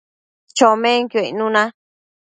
chomenquio icnuna